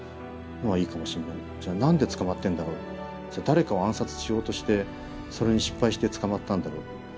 じゃあ何で捕まってんだろうじゃあ誰かを暗殺しようとしてそれに失敗して捕まったんだろう。